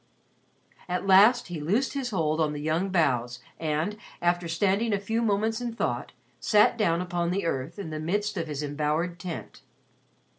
At last he loosed his hold on the young boughs and, after standing a few moments in thought, sat down upon the earth in the midst of his embowered tent.